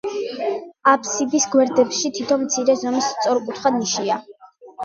აბსიდის გვერდებში თითო მცირე ზომის სწორკუთხა ნიშია.